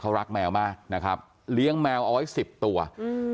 เขารักแมวมากนะครับเลี้ยงแมวเอาไว้สิบตัวอืม